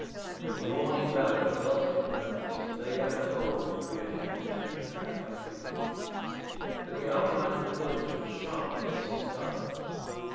A yawning valley, gulfed in blackness, lay like a hole in created nature at my feet; but the outline of the hills was sharp against the sky.